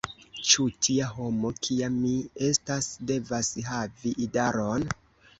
Ĉu tia homo, kia mi estas, devas havi idaron?